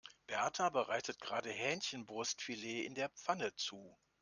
Berta bereitet gerade Hähnchenbrustfilet in der Pfanne zu.